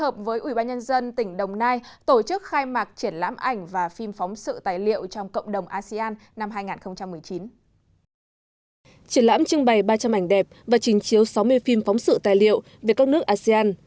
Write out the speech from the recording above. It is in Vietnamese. triển lãm trưng bày ba trăm linh ảnh đẹp và trình chiếu sáu mươi phim phóng sự tài liệu về các nước asean